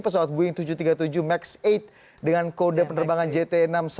pesawat boeing tujuh ratus tiga puluh tujuh max delapan dengan kode penerbangan jt enam ratus sepuluh